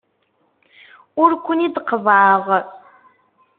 Ur ken-id-qeḍḍɛeɣ.